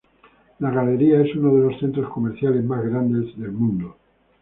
La galería es uno de los centros comerciales más grandes en el mundo.